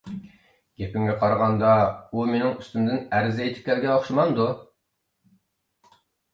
گېپىڭگە قارىغاندۇ ئۇ مېنىڭ ئۈستۈمدىن ئەرز ئېيتىپ كەلگەن ئوخشىمامدۇ؟